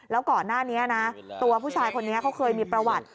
แล้วก่อนหน้านี้นะตัวผู้ชายคนนี้เขาเคยมีประวัติ